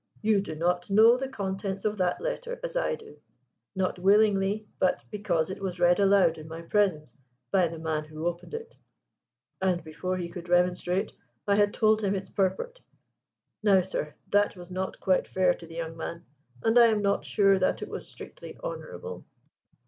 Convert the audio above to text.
You do not know the contents of that letter as I do not willingly, but because it was read aloud in my presence by the man who opened it.' And, before he could remonstrate, I had told him its purport. Now, sir, that was not quite fair to the young man, and I am not sure that it was strictly honourable?"